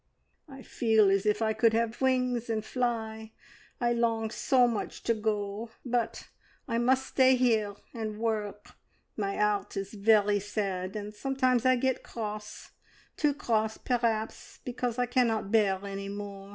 I feel as if I could have wings and fly, I long so much to go; but I must stay here and work. My 'eart is very sad, and sometimes I get cross too cross, perhaps, because I cannot bear any more.